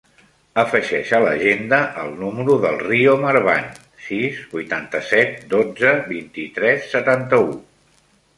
Afegeix a l'agenda el número del Rio Marban: sis, vuitanta-set, dotze, vint-i-tres, setanta-u.